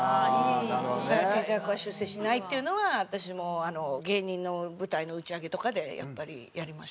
「手酌は出世しない」っていうのは私も芸人の舞台の打ち上げとかでやっぱりやりました。